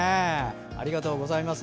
ありがとうございます。